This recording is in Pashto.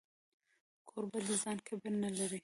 کوربه د ځان کبر نه لري.